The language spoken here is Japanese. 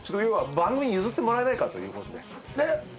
番組に譲ってもらえないかということでえっ？